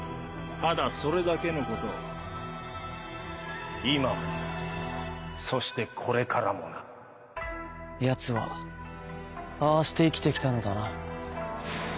ただそれだけのこと今もそしてこれからもなヤツはああして生きて来たのだな。